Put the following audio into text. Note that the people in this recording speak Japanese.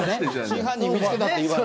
真犯人見つけたって言わな。